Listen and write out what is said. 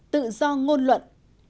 sáu tự do ngôn luận